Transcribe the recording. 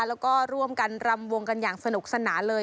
แล้วก็ร่วมกันรำวงกันอย่างสนุกสนานเลย